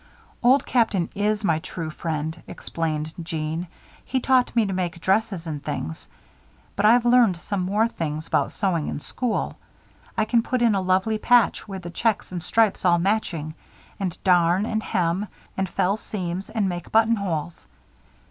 "Old Captain is my true friend," explained Jeanne. "He taught me to make dresses and things. But I've learned some more things about sewing in school. I can put in a lovely patch, with the checks and stripes all matching; and darn, and hem, and fell seams, and make buttonholes.